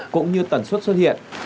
cũng như tần suất xuất hiện